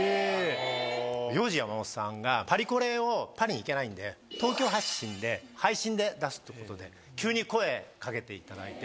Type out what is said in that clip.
さんがパリコレをパリに行けないんで東京発信で配信で出すってことで急に声掛けていただいて。